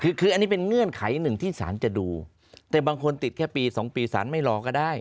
คือคืออันนี้เป็นเงื่อนไขหนึ่งที่สารจะดูแต่บางคนติดแค่ปี๒ปีสารไม่รอก็ได้